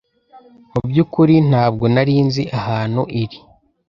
mu byukuri ntabwo narinzi ahantu iri